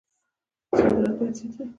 صادرات باید زیات شي